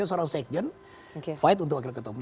dia seorang section fight untuk wakil ketua umum